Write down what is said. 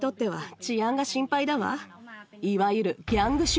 いわゆる。